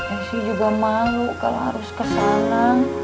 esi juga malu kalau harus ke sana